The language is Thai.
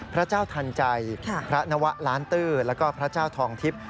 พระเจ้าทันใจพระนวะล้านตื้อแล้วก็พระเจ้าทองทิพย์